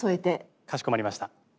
かしこまりました。